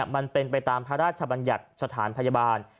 มันเป็นไปตามพระราชบัญญัติสถานพยาบาล